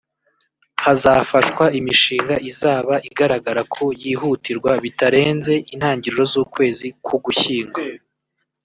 Hazafashwa imishinga izaba igaragara ko yihutirwa bitarenze intangiro z’ukwezi kw’Ugushyingo